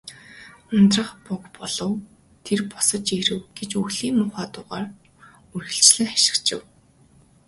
"Ундрах буг болов. Тэр босож ирэв" гэж үхлийн муухай дуугаар үргэлжлэн хашхичив.